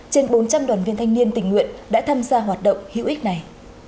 trên bốn trăm linh đoàn viên thanh niên tình nguyện đã tham gia hoạt động hữu ích này